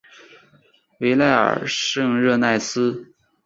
维莱尔圣热内斯。